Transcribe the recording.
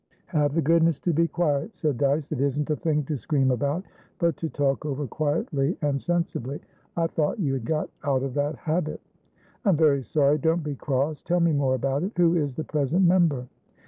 "Have the goodness to be quiet," said Dyce. "It isn't a thing to scream about, but to talk over quietly and sensibly. I thought you had got out of that habit." "I'm very sorry. Don't be cross. Tell me more about it. Who is the present member?"